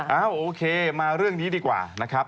โอเคมาเรื่องนี้ดีกว่านะครับ